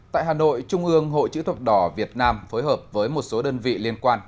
tại hà nội trung ương hội chữ thập đỏ việt nam phối hợp với một số đơn vị liên quan